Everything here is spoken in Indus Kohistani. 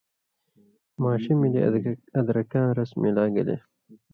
ماݜی ملی ادرکاں رس ملا گلے